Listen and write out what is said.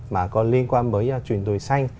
mà có liên quan với chuyển đổi xanh